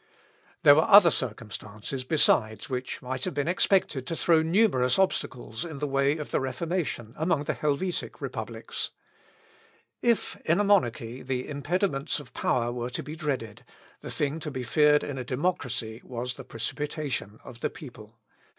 There were other circumstances besides which might have been expected to throw numerous obstacles in the way of the Reformation among the Helvetic Republics. If, in a monarchy, the impediments of power were to be dreaded, the thing to be feared in a democracy was the precipitation of the people.